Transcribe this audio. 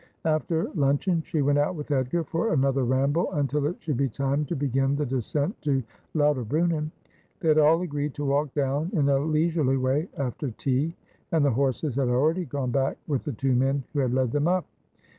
After luncheon she went out with Edgar for another ramble, until it should be time to begin the descent to Lauter brunnen. They had all agreed to walk down, in a leisurely way, after tea ; and the horses had already gone back with the two men who had led them up.